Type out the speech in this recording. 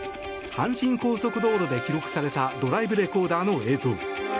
阪神高速道路で記録されたドライブレコーダーの映像。